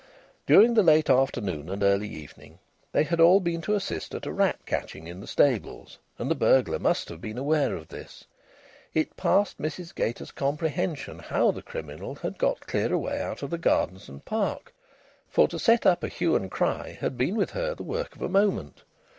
During the late afternoon and early evening they had all been to assist at a rat catching in the stables, and the burglar must have been aware of this. It passed Mrs Gater's comprehension how the criminal had got clear away out of the gardens and park, for to set up a hue and cry had been with her the work of a moment.